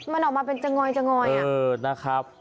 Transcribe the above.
มันออกมาเป็นจ่๋งอย